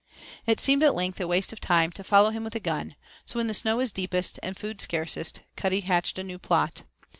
It seemed, at length, a waste of time to follow him with a gun, so when the snow was deepest, and food scarcest, Cuddy hatched a new plot.